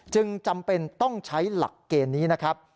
จำเป็นต้องใช้หลักเกณฑ์นี้นะครับ